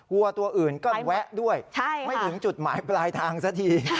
วัวตัวอื่นก็แวะด้วยไม่ถึงจุดหมายปลายทางสักที